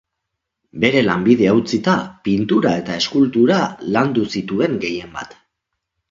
Bere lanbidea utzita, pintura eta eskultura landu zituen gehienbat.